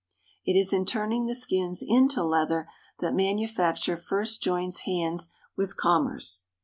It is in turning the skins into leather that manufacture first joins hands with commerce.